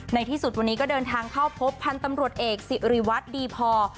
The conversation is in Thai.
ในที่สุดวันนี้ก็เดินทางเข้าพบพันธุ์ตำรวจเอกสิริวัตรดีพอ